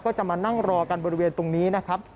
ก็จะมานั่งรอกันบริเวณตรงนี้นะครับ